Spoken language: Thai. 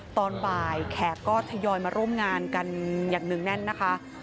ตอนบ่ายแขกก็ทยอยมาร่วมงานกันอย่างเนื่องแน่นนะคะ